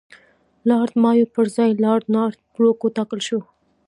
لارډ مایو پر ځای لارډ نارت بروک وټاکل شو.